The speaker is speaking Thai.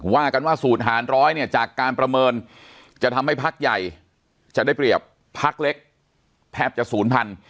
ว่ากันว่าสูตรหารร้อยเนี่ยจากการประเมินจะทำให้พักใหญ่จะได้เปรียบพักเล็กแทบจะศูนย์พัน